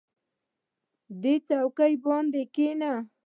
دې څوکۍ باندې کېنئ.